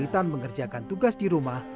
tidak ada yang menggambarkan tugas di rumah